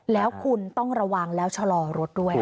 แล้วคุณต้องระวังแล้วชะลอรถด้วย